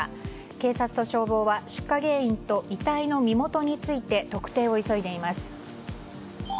警察と消防は出火原因と遺体の身元について特定を急いでいます。